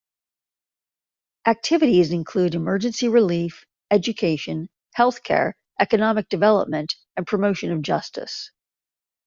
Activities include: emergency relief, education, health care, economic development, and promotion of justice.